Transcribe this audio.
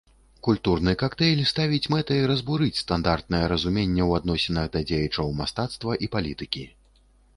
Культурны кактэйль ставіць мэтай разбурыць стандартнае разуменне ў адносінах да дзеячаў мастацтва і палітыкі.